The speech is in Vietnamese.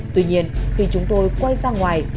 tuy nhiên khi chúng tôi quay sang ngoài